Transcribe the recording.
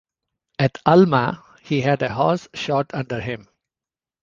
At Alma he had a horse shot under him.